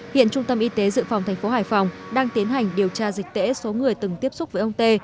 hiện trung tâm y tế dự phòng thành phố hải phòng đang tiến hành điều tra dịch tễ số người từng tiếp xúc với ông t